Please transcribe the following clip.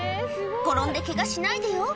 転んでけがしないでよ。